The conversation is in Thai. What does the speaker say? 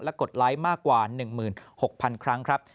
และกดไลค์มากกว่าหนึ่งหมื่นหกพันครั้งครับ